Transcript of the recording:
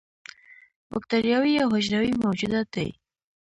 بکتریاوې یو حجروي موجودات دي